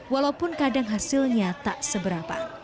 walaupun kadang hasilnya tak seberapa